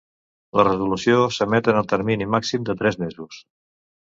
La resolució s'emet en el termini màxim de tres mesos.